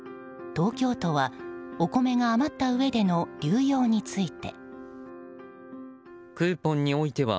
東京都はお米が余ったうえでの流用について。